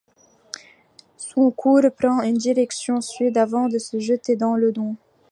Son cours prend une direction sud avant de se jeter dans le Don.